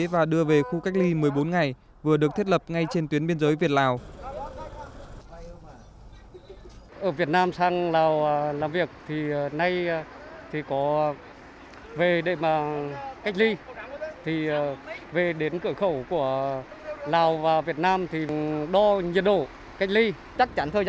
và đưa về khu cách ly một mươi bốn ngày vừa được thiết lập ngay trên tuyến biên giới việt lào